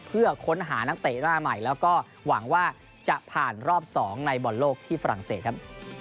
เพื่อค้นหานักเตะหน้าใหม่แล้วก็หวังว่าจะผ่านรอบ๒ในบอลโลกที่ฝรั่งเศสครับ